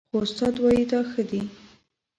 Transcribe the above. خو استاد وايي دا ښه دي